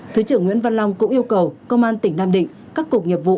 thứ trưởng nguyễn văn long cũng yêu cầu công an tỉnh nam định các cục nghiệp vụ